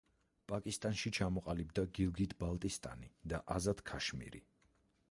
პაკისტანში ჩამოყალიბდა გილგიტ-ბალტისტანი და აზად-ქაშმირი.